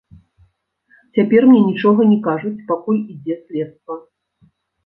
Цяпер мне нічога не кажуць, пакуль ідзе следства.